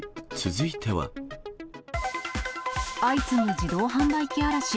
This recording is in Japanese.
相次ぐ自動販売機荒らし。